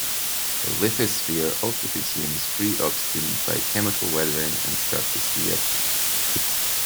The lithosphere also consumes free oxygen by chemical weathering and surface reactions.